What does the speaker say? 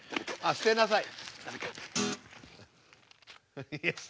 捨てなさい。